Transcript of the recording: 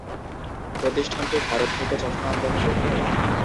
প্রতিষ্ঠানটি ভারত থেকে চশমা আমদানি করতো।